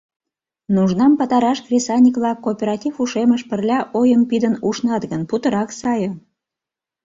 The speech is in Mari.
Нужнам пытараш кресаньык-влак кооператив ушемыш пырля ойым пидын ушнат гын, путырак сае.